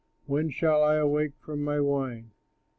When shall I awake from my wine?